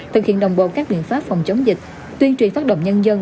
thực hiện đồng bộ các biện pháp phòng chống dịch tuyên truyền phát động nhân dân